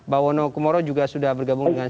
bawono kumoro juga sudah bergabung dengan